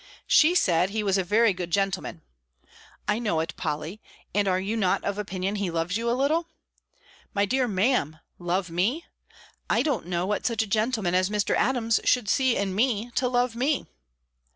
She said he was a very good gentleman. "I know it, Polly; and are you not of opinion he loves you a little?" "Dear Ma'am love me I don't know what such a gentleman as Mr. Adams should see in me, to love me!"